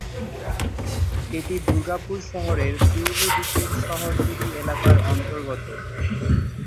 এটি দুর্গাপুর শহরের পূর্ব দিকের শহরতলি এলাকার অন্তর্গত।